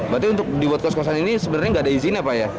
berarti untuk dibuat kos kosan ini sebenarnya nggak ada izin ya pak ya